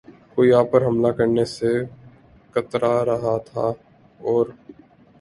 کوئی آپ پر حملہ کرنے سے کترا رہا تھا اور